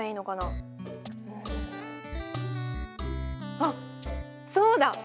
あっそうだ！